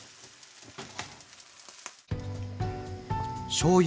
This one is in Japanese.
しょうゆ